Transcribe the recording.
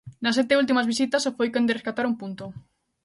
Nas sete últimas visitas só foi quen de rescatar un punto.